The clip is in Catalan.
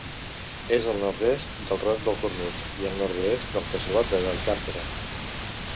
És al nord-est del Roc del Cornut i al nord-oest del Casalot de Vallcàrquera.